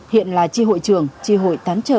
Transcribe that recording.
hiện là chi hội trưởng chi hội tán trợ